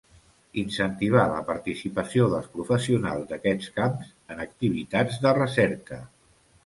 Incentivar la participació dels professionals d'aquests camps en activitats de recerca.